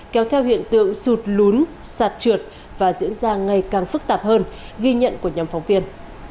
kéo theo hiện tượng sụt lún sạt trượt và diễn ra ngày càng phức tạp hơn ghi nhận của nhóm phóng viên